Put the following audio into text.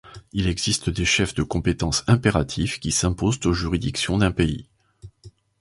Il existe des chefs de compétence impératifs qui s'imposent aux juridictions d'un pays.